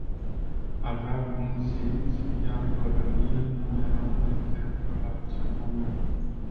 Aveau bun simț, iar golănia nu era un exemplu la acel moment.